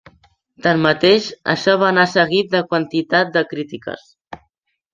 Tanmateix, això va anar seguit de quantitat de crítiques.